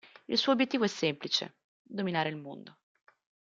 Il suo obiettivo è semplice: dominare il mondo.